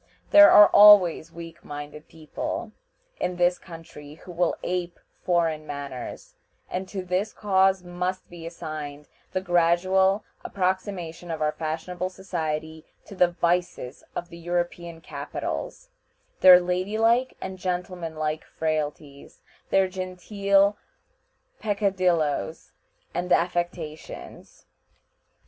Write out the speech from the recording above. There are always weak minded people in this country who will ape foreign manners, and to this cause must be assigned the gradual approximation of our fashionable society to the vices of the European capitals, their ladylike and gentlemanlike frailties, their genteel peccadilloes and affectations.